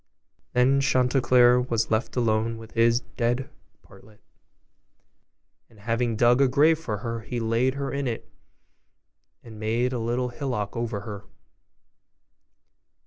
Thus Chanticleer was left alone with his dead Partlet; and having dug a grave for her, he laid her in it, and made a little hillock over her.